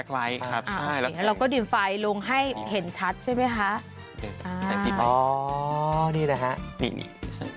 ใช่แล้วเราก็ดินไฟลงให้เห็นชัดใช่ไหมคะอ๋อนี่แหละฮะนี่นี่